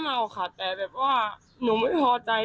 หนูไม่ได้เมาค่ะแต่แบบว่าหนูไม่พอใจ